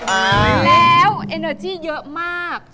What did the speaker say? แล้วเอเนอร์จี้เยอะมาก